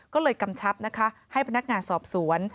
ก็เลยกำชับนะคะให้พนักงานสอบสวน